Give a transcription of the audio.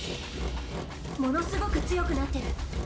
ものすごく強くなってる。